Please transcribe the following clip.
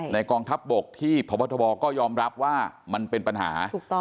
กองทัพบกที่พบทบก็ยอมรับว่ามันเป็นปัญหา